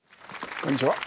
こんにちは。